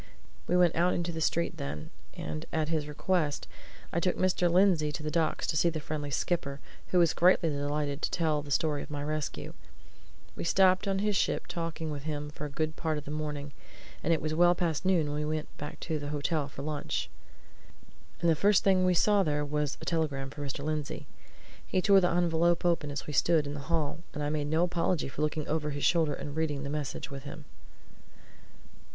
We went out into the street then, and at his request I took Mr. Lindsey to the docks, to see the friendly skipper, who was greatly delighted to tell the story of my rescue. We stopped on his ship talking with him for a good part of the morning, and it was well past noon when we went back to the hotel for lunch. And the first thing we saw there was a telegram for Mr. Lindsey. He tore the envelope open as we stood in the hall, and I made no apology for looking over his shoulder and reading the message with him.